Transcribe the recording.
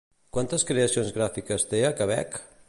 Quantes creacions gràfiques té a Quebec?